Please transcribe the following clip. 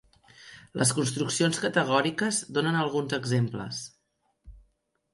Les construccions categòriques donen alguns exemples.